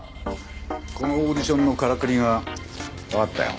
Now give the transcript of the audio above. このオーディションのからくりがわかったよ。